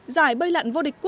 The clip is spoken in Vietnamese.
giải bơi lặn vô địch